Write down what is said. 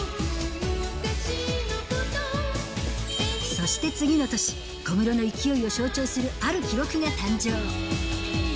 そして次の年、小室の勢いを象徴するある記録が誕生。